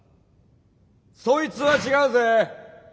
そいつは違うぜ！